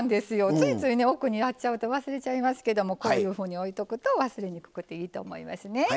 ついつい奥にやっちゃうと忘れちゃいますけどこういうふうにすると忘れにくくていいと思います。